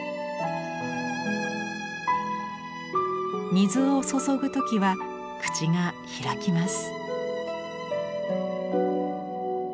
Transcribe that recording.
水を注ぐときは口が開きます。